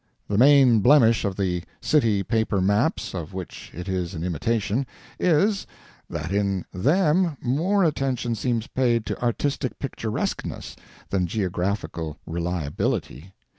The main blemish of the city paper maps of which it is an imitation, is, that in them more attention seems paid to artistic picturesqueness than geographical reliability.